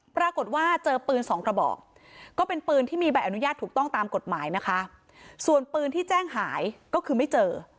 ปรากฏว่าเจอปืนสองกระบอกก็เป็นปืนที่มีใบอนุญาตถูกต้องตามกฎหมายนะคะส่วนปืนที่แจ้งหายก็คือไม่เจอ